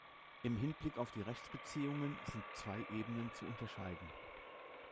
Im Hinblick auf die Rechtsbeziehungen sind zwei Ebenen zu unterscheiden.